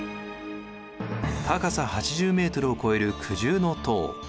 高さ８０ｍを超える九重塔。